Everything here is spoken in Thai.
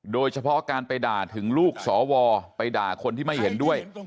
โดยเฉพาะการไปด่าถึงลูกสวไปด่าคนที่ไม่เห็นด้วย